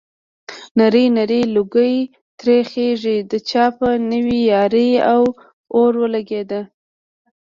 نری نری لوګی ترې خيږي د چا په نوې يارۍ اور ولګېدنه